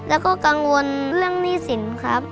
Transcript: แล้วก็กังวลเรื่องหนี้สินครับ